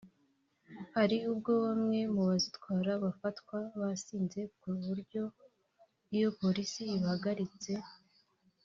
Hari ubwo bamwe mu bazitwara bafatwa basinze ku buryo iyo polisi ibahagaritse